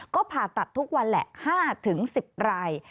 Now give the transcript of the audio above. ก็ผ่าตัดทุกวันแหละ๕๑๐ราย